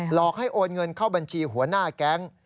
หลอกให้โอนเงินเข้าบัญชีหัวหน้าแก๊ง